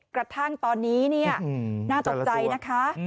กระทั่งตอนนี้เนี่ยน่าตกใจนะคะ